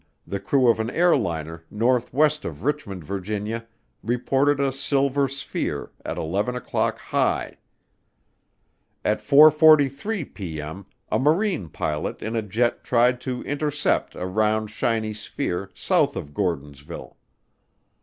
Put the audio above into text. the crew of an airliner northwest of Richmond, Virginia, reported a "silver sphere at eleven o'clock high." At 4:43P.M. a Marine pilot in a jet tried to intercept a "round shiny sphere" south of Gordonsville.